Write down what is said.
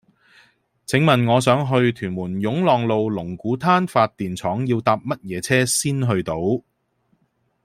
請問我想去屯門湧浪路龍鼓灘發電廠要搭乜嘢車先去到